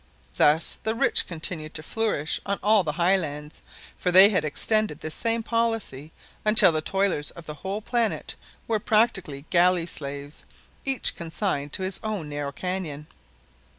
Thus the rich continued to flourish on all the highlands, for they had extended this same policy until the toilers of the whole planet were practically galley slaves, each consigned to his own narrow canon.